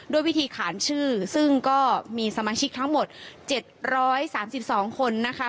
วิธีขานชื่อซึ่งก็มีสมาชิกทั้งหมด๗๓๒คนนะคะ